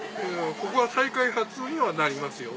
ここは再開発にはなりますよ。